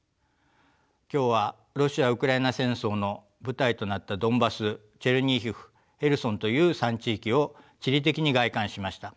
今日はロシア・ウクライナ戦争の舞台となったドンバスチェルニヒウヘルソンという３地域を地理的に概観しました。